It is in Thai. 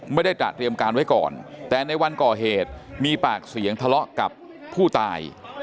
ไม่ได้ตระเตรียมการไว้ก่อนแต่ในวันก่อเหตุมีปากเสียงทะเลาะกับผู้ตาย